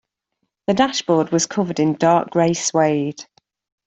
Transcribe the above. The dashboard was covered in dark grey suede.